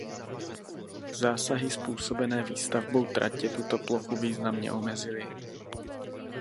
Zásahy způsobené výstavbou tratě tuto plochu významně omezily.